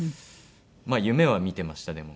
まあ夢は見てましたでも。